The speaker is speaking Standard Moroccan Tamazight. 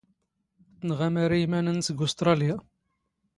ⵜⵏⵖⴰ ⵎⴰⵔⵉ ⵉⵎⴰⵏ ⵏⵏⵙ ⴳ ⵓⵙⵜⵕⴰⵍⵢⴰ.